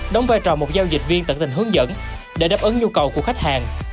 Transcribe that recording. đóng vai trò một giao dịch viên tận tình hướng dẫn để đáp ứng nhu cầu của khách hàng